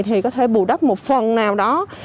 thì có thể bù đắp một phần nào đó